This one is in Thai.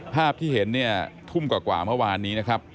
ภาพที่เห็นเนี่ยทุ่มกว่าเมื่อวานนี้นะครับ